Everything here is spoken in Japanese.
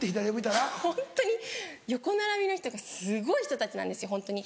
ホントに横並びの人がすごい人たちなんですホントに。